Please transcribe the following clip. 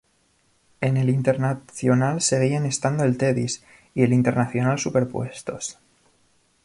En El Internacional seguían estando el Teddy’s y El Internacional superpuestos.